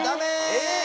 えっ？